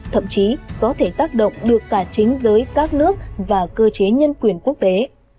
thậm chí có thể tác động được cả chính giới các nước và cơ chế nhân quyền quốc tế